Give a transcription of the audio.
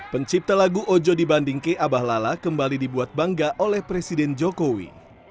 pencipta lagu ojo di bandingke abah lala kembali dibuat bangga oleh presiden jokowi